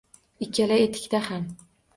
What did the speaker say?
Ikkala etikda ham